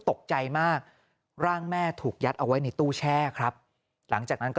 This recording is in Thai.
ตกใจมากร่างแม่ถูกยัดเอาไว้ในตู้แช่ครับหลังจากนั้นก็